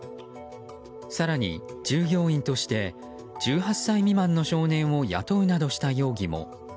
更に従業員として１８歳未満の少年を雇うなどした容疑も。